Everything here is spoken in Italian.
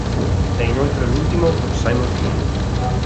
È inoltre l'ultimo con Simon King.